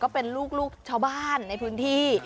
เป็นลูกชาวบ้านในพื้นที่